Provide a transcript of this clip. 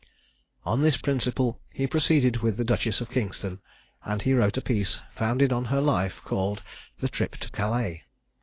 On this principle he proceeded with the Duchess of Kingston; and he wrote a piece, founded on her life, called "The Trip to Calais."